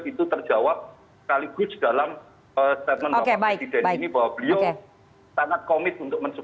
itu terjawab sekaligus dalam statement bapak presiden ini bahwa beliau sangat komit untuk mensupport